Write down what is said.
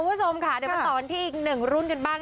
คุณผู้ชมค่ะเดี๋ยวเราสอนที่อีก๑รุ่นกันบ้าง